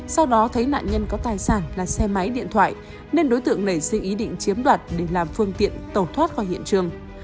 sau đó thấy nạn nhân có tài sản là xe máy điện thoại nên đối tượng nảy sinh ý định chiếm đoạt để làm phương tiện tẩu thoát khỏi hiện trường